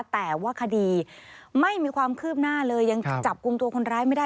แต่ว่าคดีไม่มีความคืบหน้าเลยยังจับกลุ่มตัวคนร้ายไม่ได้